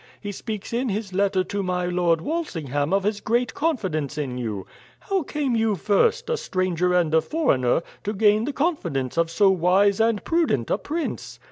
He speaks in his letter to my Lord Walsingham of his great confidence in you. How came you first, a stranger and a foreigner, to gain the confidence of so wise and prudent a prince?"